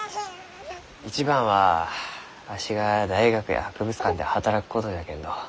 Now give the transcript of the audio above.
一番はわしが大学や博物館で働くことじゃけんど。